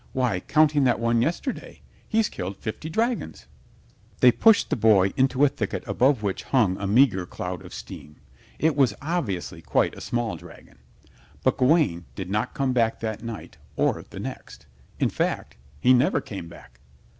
"Why, counting that one yesterday, he's killed fifty dragons." They pushed the boy into a thicket above which hung a meager cloud of steam. It was obviously quite a small dragon. But Gawaine did not come back that night or the next. In fact, he never came back.